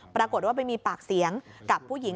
ปรากฏว่าไปมีปากเสียงกับผู้หญิง